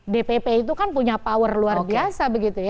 dpp itu kan punya power luar biasa